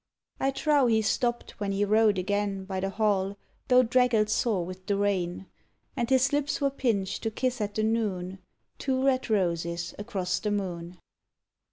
_ I trow he stopp'd when he rode again By the hall, though draggled sore with the rain; And his lips were pinch'd to kiss at the noon _Two red roses across the moon.